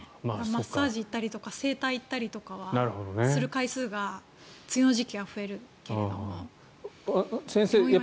マッサージ行ったりとか整体行ったりとかする回数が梅雨の時期は増えるけれども病院は行かないかな。